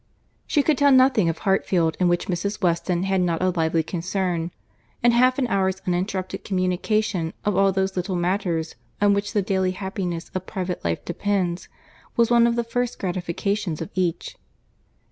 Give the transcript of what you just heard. She could tell nothing of Hartfield, in which Mrs. Weston had not a lively concern; and half an hour's uninterrupted communication of all those little matters on which the daily happiness of private life depends, was one of the first gratifications of each.